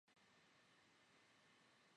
He has also appeared in numerous radio dramas.